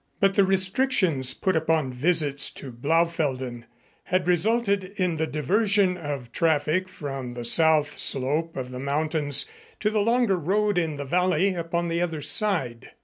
But the restrictions put upon visits to Blaufelden had resulted in the diversion of traffic from the south slope of the mountains to the longer road in the valley upon the other side.